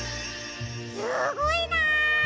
すごいな！